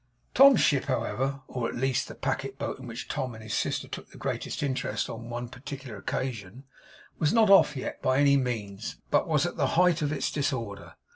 Tom's ship, however; or, at least, the packet boat in which Tom and his sister took the greatest interest on one particular occasion; was not off yet, by any means; but was at the height of its disorder.